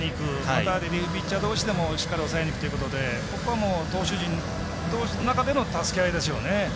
またリリーフピッチャーどうしでもしっかり抑えにいくということでここは投手陣の中での助け合いですよね。